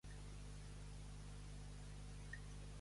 Necessitaré una taula per la Rita i per a mi dijous.